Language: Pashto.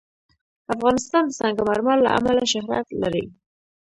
افغانستان د سنگ مرمر له امله شهرت لري.